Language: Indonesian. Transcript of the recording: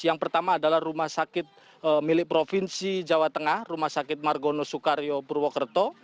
yang pertama adalah rumah sakit milik provinsi jawa tengah rumah sakit margono soekario purwokerto